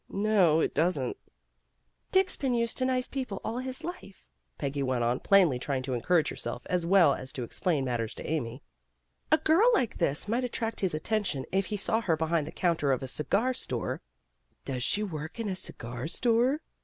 "No, it doesn't." "Dick's been used to nice people all his life," Peggy went on, plainly trying to encourage herself as well as to explain matters to Amy. "A girl like this might attract his attention if he saw her behind the counter of a cigar store " "Does she work in a cigar store?"